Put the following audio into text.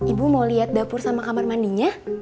ibu mau lihat dapur sama kamar mandinya